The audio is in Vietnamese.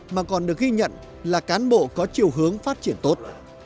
mà còn được ghi nhận là cán bộ có chiều hướng phát triển tốt